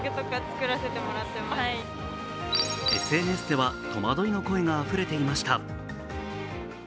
ＳＮＳでは戸惑いの声があふれていました。